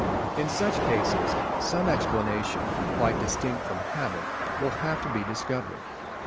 In such cases some explanation, quite distinct from habit, will have to be discovered.